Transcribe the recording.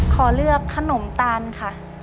ขอเลือกขนมตาลค่ะ